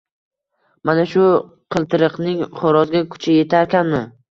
Mana shu qiltiriqning xo‘rozga kuchi yetarkanmi?